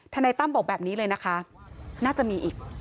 นายตั้มบอกแบบนี้เลยนะคะน่าจะมีอีก